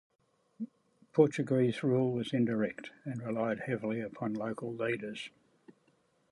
Portuguese rule was indirect and relied heavily upon local leaders.